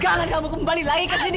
jangan kamu kembali lagi ke sini